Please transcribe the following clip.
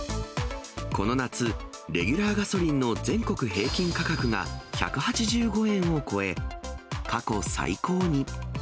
この夏、レギュラーガソリンの全国平均価格が、１８５円を超え、過去最高に。